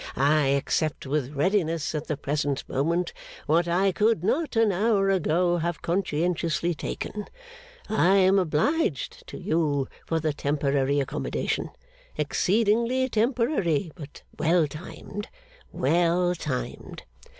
I accept with readiness, at the present moment, what I could not an hour ago have conscientiously taken. I am obliged to you for the temporary accommodation. Exceedingly temporary, but well timed well timed.